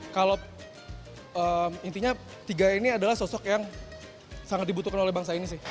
kalau intinya tiga ini adalah sosok yang sangat dibutuhkan oleh bangsa ini sih